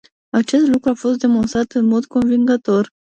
Acest lucru a fost demonstrat în mod convingător.